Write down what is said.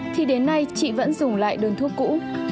thì đến nay chị vẫn dùng lại đơn thuốc cũ